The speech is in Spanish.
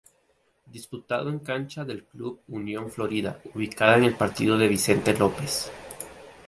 Disputado en cancha del Club Unión Florida, ubicada en el partido de Vicente López.